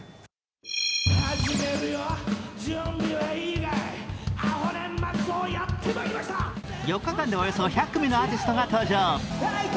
来年の抱負は４日間でおよそ１００組のアーティストが登場。